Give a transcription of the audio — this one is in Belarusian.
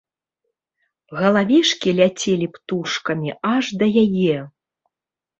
Галавешкі ляцелі птушкамі аж да яе.